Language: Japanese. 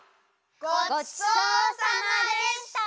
ごちそうさまでした！